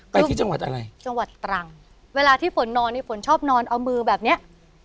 ไปที่จังหวัดอะไรจังหวัดตรังเวลาที่ฝนนอนนี่ฝนชอบนอนเอามือแบบเนี้ย